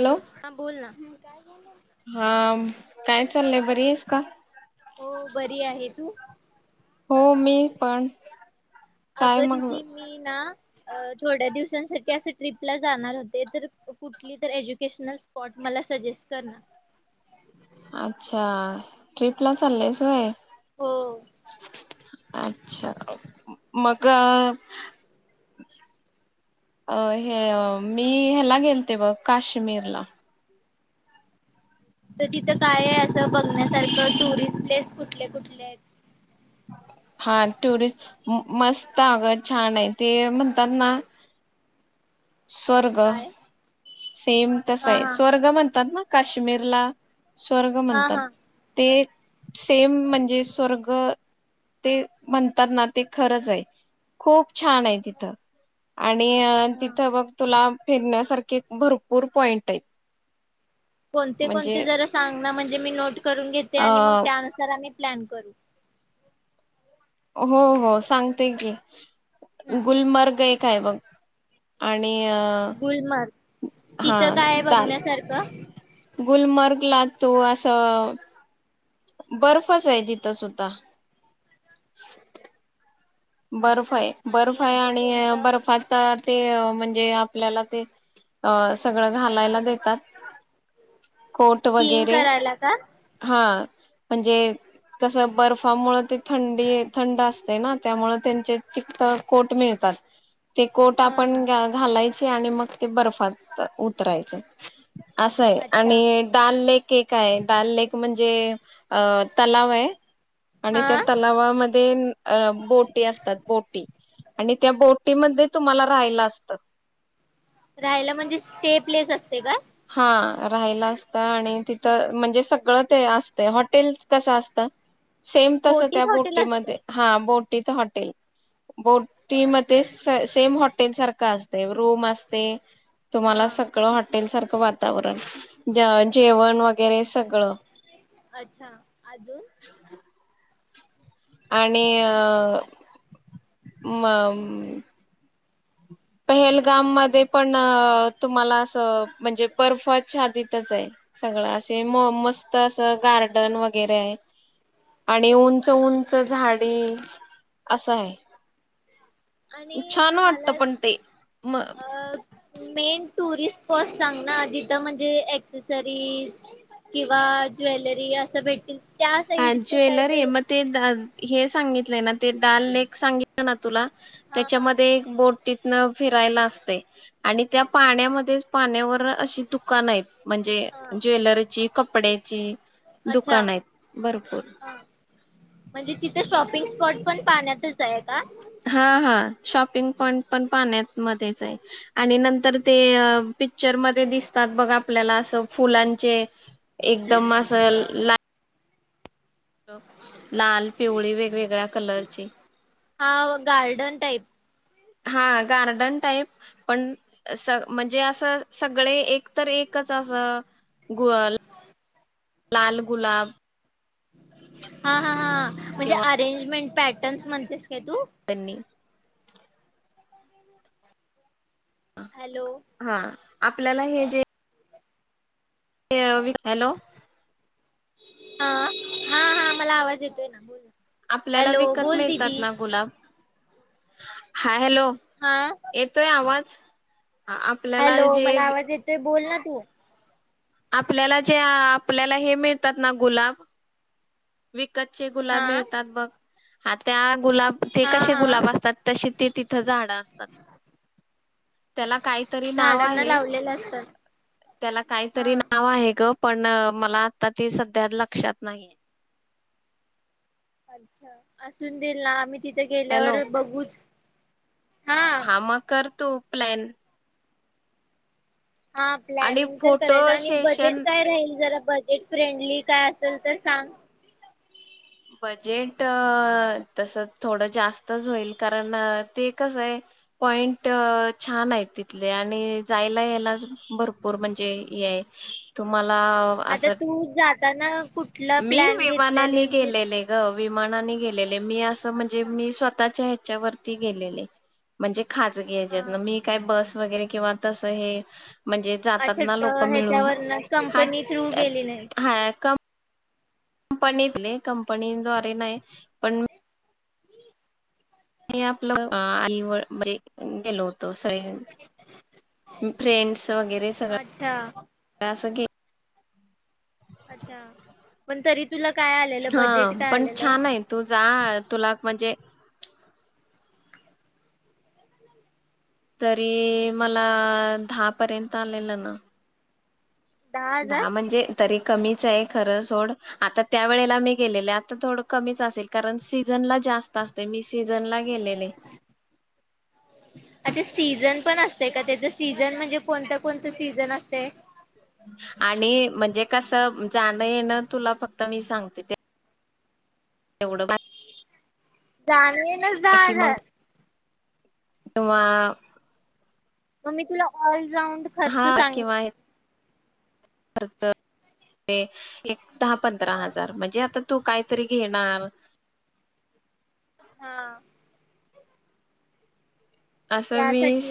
Hello हां बोल ना हा काय चाललंय बरियेस का होओ बरी आहे तू हो मीपण अगं दिदी मी ना अ थोड्या दिवसांसाठ की अस ट्रिपला जाणार होते तर कुठली तर एज्युकेशनल स्पॉट मला सजेस्ट करना अच्छा ट्रिपला चाल्लीयस होय हो [inaudible] अच्छा मगअ अ हे अ मी हेला गेलते बग काश्मीरला तर तिथं काय आहे अस बघण्यासारखं टुरिस्ट प्लेस कुठले कुठले हायत हां ट्युरिस्ट मस्त अगं छान आहे ते म्हणतात ना स्वर्ग काय सेम तसं हा आहे हा स्वर्ग म्हणतात ना काश्मीरला स्वर्ग हा म्हणतात हा ते सेम म्हणजे स्वर्ग ते म्हणतात ना ते खरंच आहे खूप छान आहे तिथं. आणि हा तिथं बघ तुला फिरण्यासारखं भरपूर पॉईट आहेत कोणते म्हणजे कोणते जरा सांग ना म्हणजे मी नोट करून घेते अ आणि मग त्यानुसार प्लॅन करू हो हो सांगते की हम्म गुलमर्ग एक काय बघ आणि गुलमर्ग अ हा तिथं काय आहे बघण्यासारखं गुलमर्ग ला तो असं बर्फच आहे तिथं सुद्धा [unintelligible] बर्फ अच्छा आहे आणि बर्फ आहे अजून आणि कोणतं बर्फाचा ते म्हणजे आपल्याला ते अ सगळं घालायला देतात कोट स्कीइंग वगैरे, करायला का हा. म्हणजे कसं बर्फामुळं ते थंडी थंड असतंय ना. त्यामुळं त्यांचे चीट कोट मिळतात. ते कोट हा आपण घालायचं आणि मग ते बर्फात उतरायचं. असं आहे अच्छा आणि डाल लेक लेक हाय डाल लेक म्हणजे अ तलाव आहे आणि त्या हा तलावामध्ये अ त्या असतात बोटी आणि बोटी मध्ये तुम्हाला राहायला असतं. राहायला म्हणजे स्टे प्लेस असते का हा राहिला असतं आणि तिथं म्हणजे सगळं ते असतंय हॉटेल कसं असतं सेम तसं बोटीत त्या हॉटेल असते बोटीमध्ये हा बोट तं हॉटेल बोटी मध्ये अच्छा स सेम हॉट टेल सारखं असतंय रूम असते. तुम्हाला हा सगळं हॉटेल सारखं तावरण ज्या अच्छा जेवण वगैरे सगळं अच्छा अजून आणि अ मम् पहेलगाम मध्ये पण तुम्हाला असं म्हणजे बर्फ छादीतचं आहे सगळं सेम मस्त असं गार्डन वगैरे आहे. आणि हो उंच का उंच झाड ते असं हाय. आणि मला ते म अ मेन टुरिस्ट स्पॉट चांगला जिथं म्हणजे एक्सेसरीज किंवा ज्वेलरी असं भेटतील. त्या अ साईडच काय ज्वेलरी तर मग ते धा हे सांगित नाही ना ते डाल नेक सांगितल ना तुला हा हा त्याच्यामध्ये एक बोट तिथनं फिरायला असतंय आणि त्या पाण्यामध्येच पाण्यावर अशी दुकानं हाईत. म्हणजे हा ज्वेलरीची, कपड्याची दुकानं हाईत. ह म्हणजे तिथं शॉपिंग स्पॉट पण पाण्यातच आहे का? हा हा. शॉपिंग पॉइंट पण पाण्यात मध्येच आहे आणि नंतर ते पिक्चर मध्ये दिसतात बघ आपल्याला असं फुलांचे एकदम असं ला लाल, पिवळी वेगवेगळ्या कलरची हा व गार्डन टाईप हा गार्डन टाईप पण स म्हणजे असं सगळे एक तर एक कच असं गुळाल लाल गुलाब हा हा हा हा. म्हणजे किंवा अरेंजमेंट पॅटर्न्स म्हणतेस काय तू? बन्नी हॅलो हा. आपल्याला हे जे ते अवि, हॅलो. अ हा हा मला आवाज येतोय ना. आपल्याला हॅलो विकत बोल मिळतात दिदी ना गुलाब? हा हाय. हॅलो हा येतोय आवाज? आपल्याला हॅलो जे मला आवाज येतोय बोल ना. तू. आपल्याला जे आपल्याला हे मिळतात ना गुलाब, वि कतचे गुलाब हा मिळतात बघ. हा त्या गुलाब ते हा कसे हा गुलाब असतात तसे ते तिथं झाडं असतात त्याला काहीतरी नाव झाडांना आहे. लावलेलं असतात त्याला काहीतरी हा ना आहे ग पण मला आता ते सध्या लक्षात नाहीे. अच्छा असून दिला आम्ही तिथं हॅलो गेल्यावर बघूच हा मग कर तू. प्लॅन. हा आणि प्लॅनिंग तर फोटो करायचं आणि बजेट सेशन काय राहील? जरा बजेट फ्रेंडली काय असेल तर सांग. बजेट तसं थोडं जास्तच होईल, कारण ते कसं आहे पॉइंट छान आहे तिथले आणि जायला यायला भरपूर म्हणजे हे आहे तुम्हा ला असं त्यांना मी विमानाने गेलेले गं. विमानानी गेले. हे मी असं म्हणजे अच्छा मी स्वतःच्या च्या वरती गेलेले म्हणजे खाजगी हा हेज्यातन मी काय बस वगैरे किंवा तसं हे म्हणजे जातात अच्छा ना लोक मिळून ह्याच्यावर ना हा कंपनी थ्रू गेली नाही. हा का कंपनीतले कंपनी द्वारे नाही पण मी आपलं आई व म्हणजे गेलो. तोस आहे फ्रेंड्स वगैरे अच्छा सगळं असं गे अच्छा म्हणंतरी हा पण छान आहे तू जा तुला म्हणजे तरी मला दहा पर्यंत आलेला ना. दहा म्हणजे तरी कमीच आहे खरं सोड आता त्या वेळेला मी गेलेले आता थोडं कमीच असेल कारण सीझनला जास्त असते, मी सीज जनला गेलेले. अच्छा सीझन पण असते का, त्याचा सीझन म्हणजे कोणता-कोणता सीझन असते? आणि म्हणजे कसं जाणं येणं तुला फक्त मी सांगते ते एवढं ब जाणी तिकडे जाज आहे. तुम्हा मग मी तुला ऑल राउण्ड खर्च सांग तर एक दहा-पंधरा हा हजार म्हणजे आता तू काहीतरी घेणार? हा असं वीस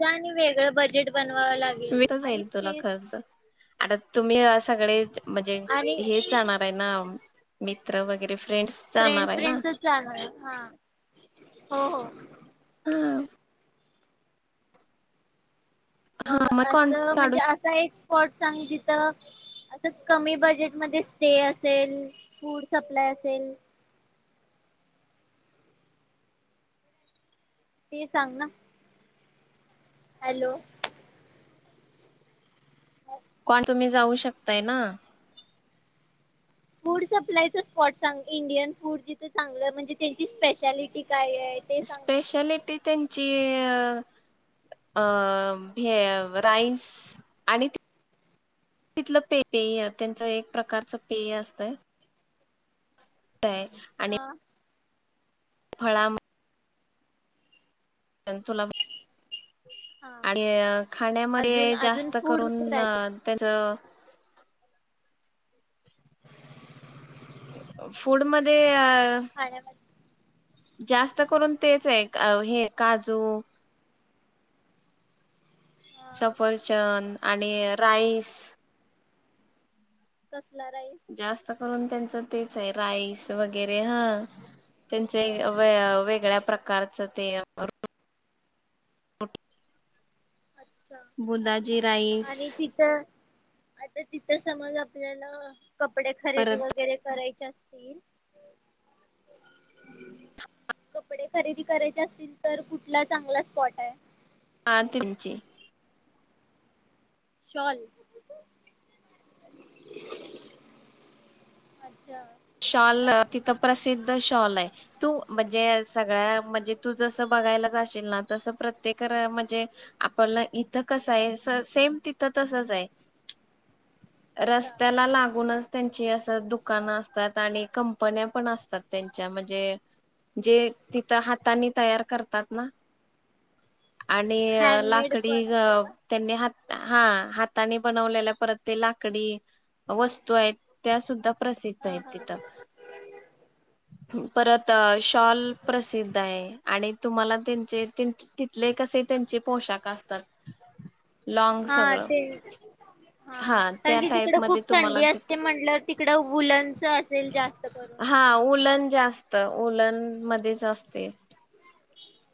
त्यानी वेगळं बजेट बनवाव लागेल वीस आणि जाईल तुला स्पे खर्च आता तुम्ही आ सगळे म्हणजे आणि हेच जाणार आहे ना मित्र वगैरे फ्रेंड्स जाणार आहे ना फ्रेंड्स-फ्रेंड्सच जाणार आहेत हा. हो हो हाव मग असं म्हणजे असं हेच स्पॉट सांग जिथ असं कमी बजेट मध्ये स्टे असेल फूड सप्लाय असेल ते सांग ना. हॅलो कौन तुम्ही जाऊ शकताय ना. फूड सप्लायच स्पॉट सांग इंडियन फूड जिथं चांगलं म्हणजे त्यांची स्पेशलिटी स्पेशालिटी त्यांची अ हे राईस आणि तिथलं प पेय त्यांच एक प्रकारचं पेय असतंय आणि ना. हा फळा त सोलापूर हा आणि अजून खाण्यामध्ये अजून जास्त फूड मध्ये करून काय त्याच फूड मध्ये अ खाण्यामध्ये जास्त करून तेच आहे हे काजू हा सफरचंद आणि राईस तसं कुठला राईस जास्त करून त्याचं तेच आहे राईस वगैरे हा त्यांचे व वेगळ्या प्रकारचं ते [inaudible] अच्छा बुंनाजी राईस आणि तिथं आता तिथं समज आपल्याला कपडे खरेदी परत वगैरे करायचे असं कपडे खरेदी करायचे असतील तर कुठला चांगला स्पॉट आहे हा तुमची शॉल अच्छा शॉल तिथं प्रसिद्ध शॉल आहे तु म्हणजे सगळ्या म्हणजे तू जसं बघायला जाशील ना तसं प्रत्येक म्हणजे आपला इथं कसं आहे सेम तिथं तसंच आहे अच्छा रस्त्याला लागूनच त्यांची असं दुकानं असं कंपन्या पण असतात त्यांच्या म्हणजे जे तिथं हातानी तयार करतात ना आणि हँडमेड लाकडी पण असतं का? त्यांनी हात हा हाताने बनवलेल्या परत ते लाकडी वस्तू आहेत त्या सुद्धा प्रसिद्ध हा हा आहेत. परत शॉल प्रसिद्ध आहे आणि तुम्हाला त्यांचे कसे त्यांचे पोशाख असतात लॉंग हा सगळं ते हा कारण त्या की टाईप तिकडं मध्ये खूप तुम्हाला च असेल जास्त करून. हा उलन जास्त ऊलन मध्येच असते. [inaudible]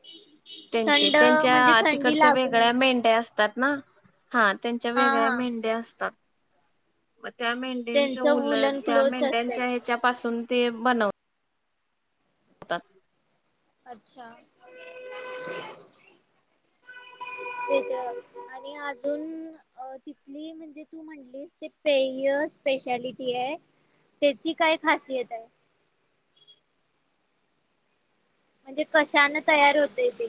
त्यांचे थंड म्हणजे त्यांच्या थंडी तिकडच्या लागू नये वेगळ्या मेंढ्या असत त्यात ना. हा त्यांच्या हा वेगळ्या हा मेंढ्या असतात. [inaudible] त्या मेंढ्यांच त्यांचं उल वुलन त्या क्लोथ्स मेंढ्यांच्या असतात. ह्याच्यापासून, ते बनव तात. अच्छा, तेज आणि अजून अ तिथली म्हणजे तू म्हण लीस ते पेय स्पेशालिटीय आहे तेची काय खासियतय. म्हणजे कशानं तयार होतय ते.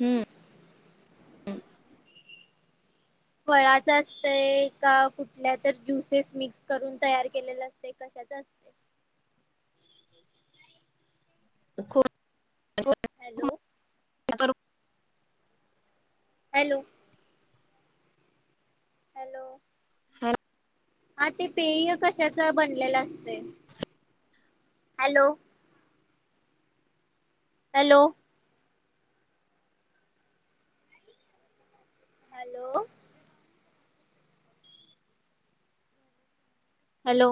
हम्म. [inaudible] फळाच असतय, का कुठल्या तर ज्युसेस मिक्स करून तयार केलेलं असतय कशाच असतय. खुर हॅलो. [unintelligible] हॅलो. हॅलो. हॅल हा ते पेय कशाच बनलेलं असतय. हॅलो. हॅलो. हॅलो. हॅलो.